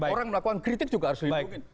orang melakukan kritik juga harus didukung